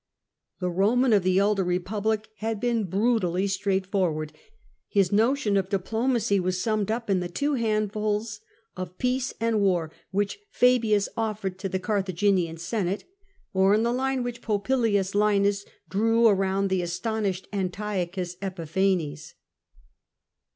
The Roman of the elder republic had been brutally straightforward: his notion of diplomacy was summed up in the two handfuls of '' peace " and war " which Fabius offered to the Car thaginian senate, or in the line which Popilius Laenas drew around the astonished Antiochus Epiphanes.